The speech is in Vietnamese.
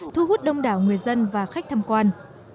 thu hút đông đảo người dân và khách tham quan